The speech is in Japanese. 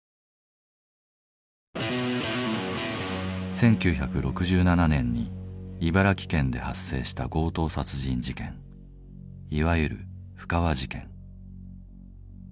１９６７年に茨城県で発生した強盗殺人事件いわゆる布川事件。